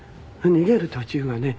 逃げる途中はね